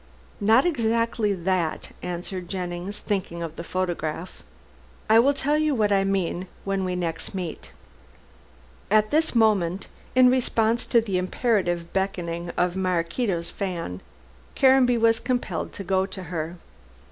"Not exactly that," answered Jennings, thinking of the photograph. "I will tell you what I mean when we next meet." At this moment, in response to the imperative beckoning of Maraquito's fan, Caranby was compelled to go to her.